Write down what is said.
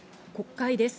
国会です。